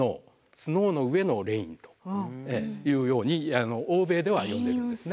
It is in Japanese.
スノーの上のレインというように欧米では呼んでるんですね。